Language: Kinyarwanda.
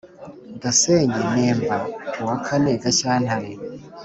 Gasenyi Nemba kuwa kane Gashyantare